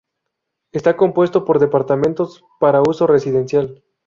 Está compuesto por departamentos para uso residencial.